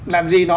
làm gì nó